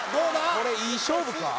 これいい勝負か？